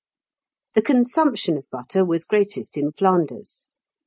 The consumption of butter was greatest in Flanders.